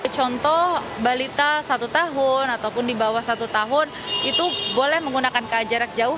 contoh balita satu tahun ataupun di bawah satu tahun itu boleh menggunakan ka jarak jauh